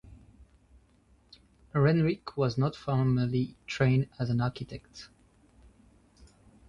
Renwick was not formally trained as an architect.